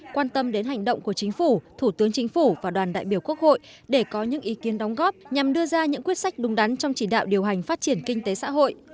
quan tâm đến hành động của chính phủ thủ tướng chính phủ và đoàn đại biểu quốc hội để có những ý kiến đóng góp nhằm đưa ra những quyết sách đúng đắn trong chỉ đạo điều hành phát triển kinh tế xã hội